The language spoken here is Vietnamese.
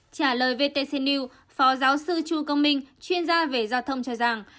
trả lời vtc news phó giáo sư chu công minh chuyên gia về giao thông cho rằng